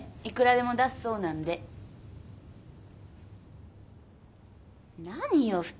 いくらでも出すそうなんで。何よ？